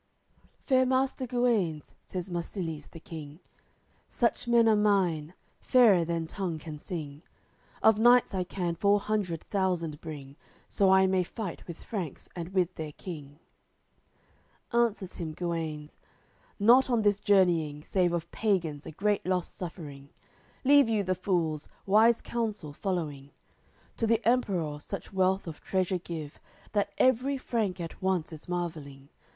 AOI. XLIII "Fair Master Guenes," says Marsilies the King, "Such men are mine, fairer than tongue can sing, Of knights I can four hundred thousand bring So I may fight with Franks and with their King." Answers him Guenes: "Not on this journeying Save of pagans a great loss suffering. Leave you the fools, wise counsel following; To the Emperour such wealth of treasure give That every Frank at once is marvelling.